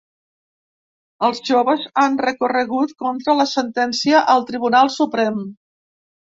Els joves han recorregut contra la sentència al Tribunal Suprem.